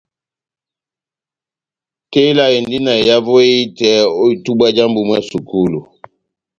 Tela indi na ehavo ehitɛ ó itubwa já mbúh mwá sukulu.